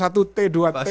pasti tarkam di arab bang